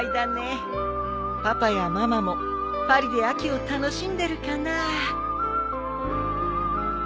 パパやママもパリで秋を楽しんでるかなあ。